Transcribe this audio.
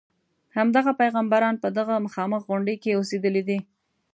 همدغه پیغمبران په دغه مخامخ غونډې کې اوسېدلي دي.